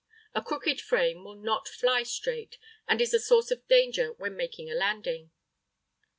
A crooked frame will not fly straight, and is a source of danger when making a landing.